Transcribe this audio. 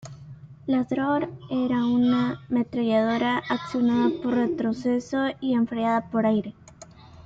La Dror era una ametralladora accionada por retroceso y enfriada por aire.